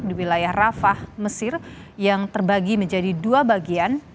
di wilayah rafah mesir yang terbagi menjadi dua bagian